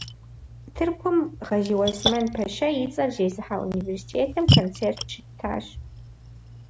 Тыркум Гъэзиуэсмэн пэщэ и цӀэр зезыхьэ университетым концерт щыттащ.